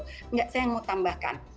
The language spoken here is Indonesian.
enggak saya mau tambahkan